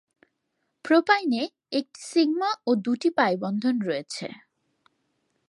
প্রোপাইনে একটি সিগমা ও দুটি পাই বন্ধন রয়েছে।